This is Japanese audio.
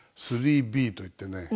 ３Ｂといってね